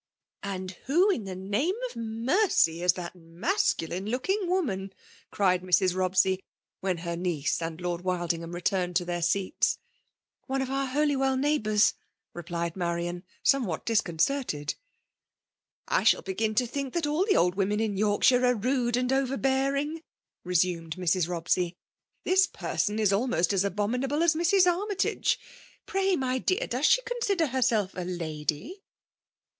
" And who, in the name of mercy, is that masculiiie looking woman?'* cried Mrs. Rob sey, when her niece and Lord Wildingham I'^tumed to their seats. " One of our Holywell neighbours," replied Marian^ somewhat disconcerted. " I shall begin to think that all the o\d women in Yorkshire arc rude and overbear ing!" resumed Mrs.Robsey. *' This person iis almost as abominable as Mrs. Armytage. Piray, my dear, does she consider herself a lady?''